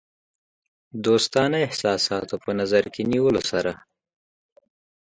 دوستانه احساساتو په نظر کې نیولو سره.